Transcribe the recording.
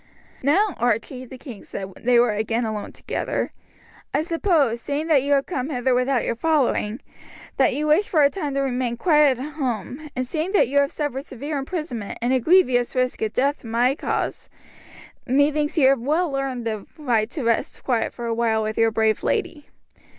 "Now, Archie," the king said, when they were again alone together, "I suppose, seeing that you have come hither without your following, that you wish for a time to remain quiet at home, and seeing that you have suffered severe imprisonment and a grievous risk of death in my cause, methinks you have well earned the right to rest quiet for a while with your brave lady.